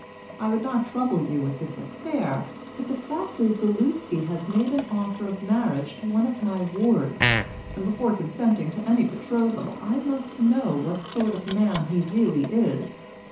I would not trouble you with this affair, but the fact is Zaluski has made an offer of marriage to one of my wards, and before consenting to any betrothal I must know what sort of man he really is.